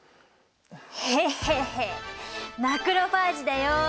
ヘッヘッヘマクロファージだよ。